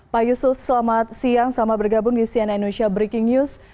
pak yusuf selamat siang selamat bergabung di cnn indonesia breaking news